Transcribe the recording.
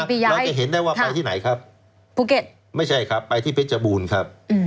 เราจะเห็นได้ว่าไปที่ไหนครับภูเก็ตไม่ใช่ครับไปที่เพชรบูรณ์ครับ